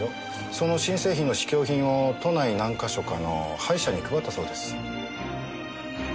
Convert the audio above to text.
その新製品の試供品を都内何か所かの歯医者に配ったそうです。